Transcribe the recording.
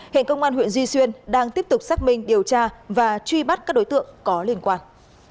hiện công an huyện duy xuyên đang tiếp tục xác minh điều tra và truy bắt các đối tượng có liên quan